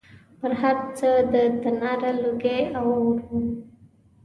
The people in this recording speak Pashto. پر هر کڅ د تناره لوګی او اور و